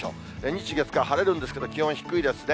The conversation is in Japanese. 日、月、火、晴れるんですけど、気温低いですね。